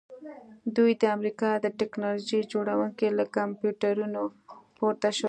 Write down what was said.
دوی د امریکا د ټیکنالوژۍ جوړونکي له کمپیوټرونو پورته شول